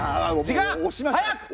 時間！早く！